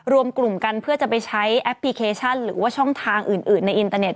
รวมกลุ่มกันเพื่อจะไปใช้แอปพลิเคชันหรือว่าช่องทางอื่นในอินเตอร์เน็